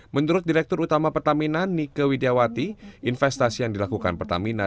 menurut direktur utama pertamina nike widiawati investasi yang dilakukan pertamina